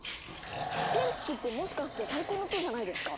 テンツクってもしかして太鼓の音じゃないですか？